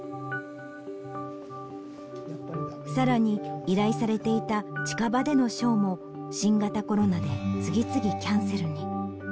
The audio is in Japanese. さらに依頼されていた近場でのショーも新型コロナで次々キャンセルに。